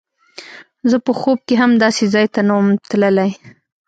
زه په خوب کښې هم داسې ځاى ته نه وم تللى.